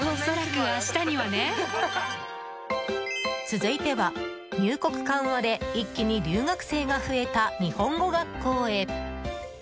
続いては入国緩和で一気に留学生が増えた日本語学校へ。